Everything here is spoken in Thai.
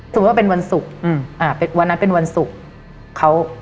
สมมุติว่าวันนั้นเป็นวันศุกร์